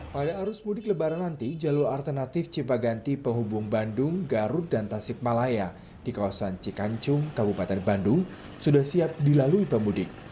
pada arus mudik lebaran nanti jalur alternatif cipaganti penghubung bandung garut dan tasikmalaya di kawasan cikancung kabupaten bandung sudah siap dilalui pemudik